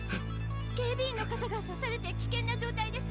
警備員の方が刺されて危険な状態です！